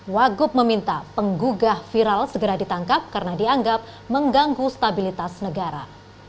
wagup meminta penggugah viral segera ditangkap karena dianggap mengganggu stabilitas negara